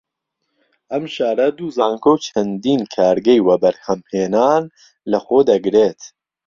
ئەم شارە دوو زانکۆ و چەندین کارگەی وەبەرهەم هێنان لە خۆ دەگرێت